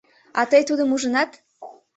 — А тый тудым ужынат?